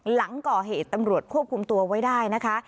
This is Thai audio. หลังก่อเหตุตำรวจควบคุมตัวไว้ได้นะคะ